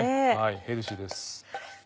ヘルシーです。